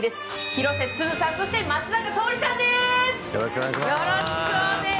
広瀬すずさん、そして松坂桃李さんです。